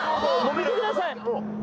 見てください。